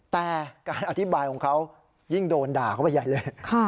แต่การอธิบายของเขายิ่งโดนด่าเข้าไปใหญ่เลย